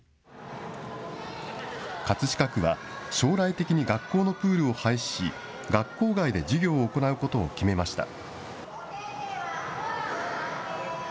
葛飾区は将来的に学校のプールを廃止し、学校外で授業を行うことを決めました。